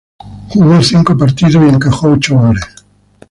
Jugó cinco partidos y encajó ocho goles.